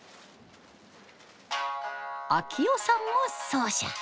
章代さんも奏者。